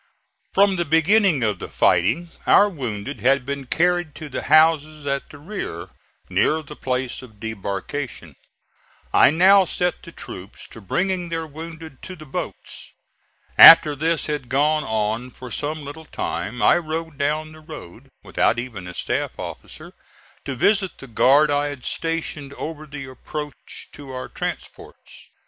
From the beginning of the fighting our wounded had been carried to the houses at the rear, near the place of debarkation. I now set the troops to bringing their wounded to the boats. After this had gone on for some little time I rode down the road, without even a staff officer, to visit the guard I had stationed over the approach to our transports.